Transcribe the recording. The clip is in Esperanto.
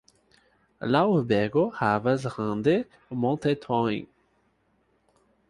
La urbego havas rande montetojn.